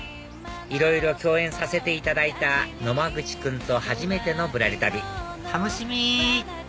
いろいろ共演させていただいた野間口君と初めての『ぶらり旅』楽しみ！